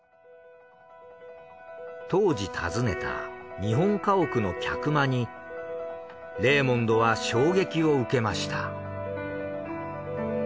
当時訪ねた日本家屋の客間にレーモンドは衝撃を受けました。